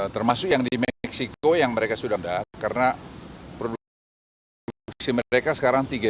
termasuk yang di meksiko yang mereka sudah melihat karena produksi mereka sekarang tiga puluh